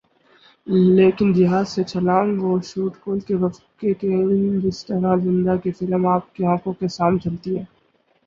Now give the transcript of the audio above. لیکن جہاز سے چھلانگ ر اور شوٹ کھل کے وقفہ کے ان جسطرح زندہ کی فلم آپ کی آنکھوں کے سام چلتی ہے